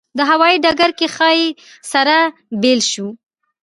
په هوایي ډګر کې ښایي سره بېل شو.